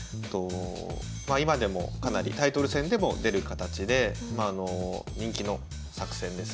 今でもかなりタイトル戦でも出る形で人気の作戦です。